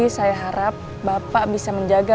saya harap bapak bisa menjaga